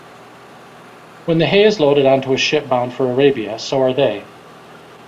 When the hay is loaded onto a ship bound for Arabia, so are they.